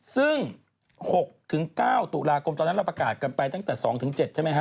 ซึ่ง๖๙ตุลาคมตอนนั้นเราประกาศกันไปตั้งแต่๒๗ใช่ไหมฮะ